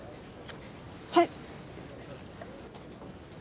はい。